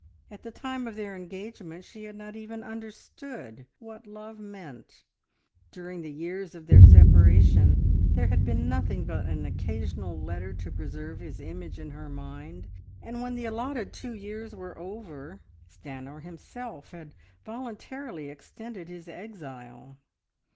At the time of their engagement she had not even understood what love meant; during the years of their separation there had been nothing but an occasional letter to preserve his image in her mind, and when the allotted two years were over, Stanor himself had voluntarily extended his exile.